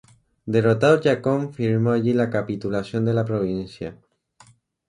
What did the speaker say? Derrotado Chacón firmó allí la capitulación de la provincia.